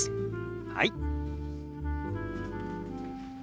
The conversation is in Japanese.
はい。